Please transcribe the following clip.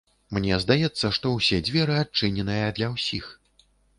Мне здаецца, што ўсе дзверы адчыненыя для ўсіх.